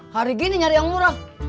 hari gini nyari yang murah